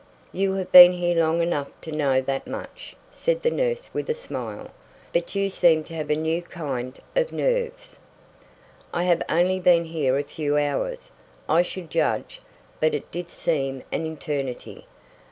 "You have been here long enough to know that much," said the nurse with a smile, "but you seem to have a new kind of nerves." "I have only been here a few hours, I should judge, but it did seem an eternity.